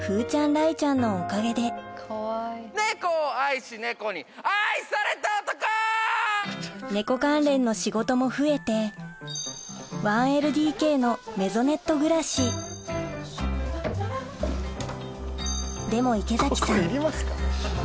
雷ちゃんのおかげで猫関連の仕事も増えて１ＬＤＫのメゾネット暮らしでも池崎さん